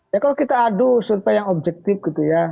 ya kalau kita adu survei yang objektif gitu ya